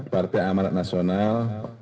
partai amalat nasional